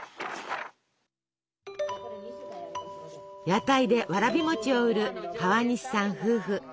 屋台でわらび餅を売る川西さん夫婦。